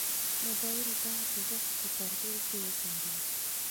موبایل باید د وخت په کنټرول کې وکارېږي.